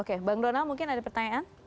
oke bang donald mungkin ada pertanyaan